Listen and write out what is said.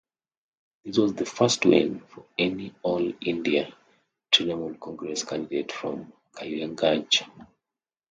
This was the first win for any All India Trinamool Congress candidate from Kaliaganj.